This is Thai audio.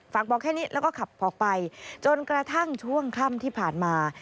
บอกแค่นี้แล้วก็ขับออกไปจนกระทั่งช่วงค่ำที่ผ่านมา